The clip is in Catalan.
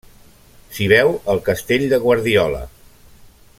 S'hi veu el castell de Guardiola.